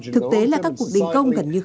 thực tế là các cuộc đình công gần như